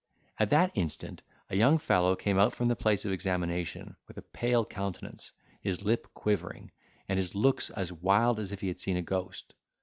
At that instant, a young fellow came out from the place of examination, with a pale countenance, his lip quivering, and his looks as wild as if he had seen a ghost.